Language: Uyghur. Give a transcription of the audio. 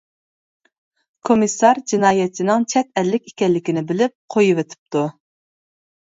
كومىسسار جىنايەتچىنىڭ چەت ئەللىك ئىكەنلىكىنى بىلىپ، قويۇۋېتىپتۇ.